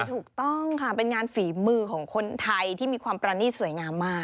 ถูกต้องค่ะเป็นงานฝีมือของคนไทยที่มีความประณีตสวยงามมาก